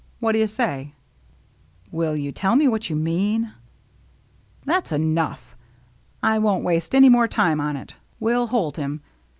What do you say ?" "Will you tell me what you mean ?" "That's enough. I won't waste any more time on it. We'll hold him.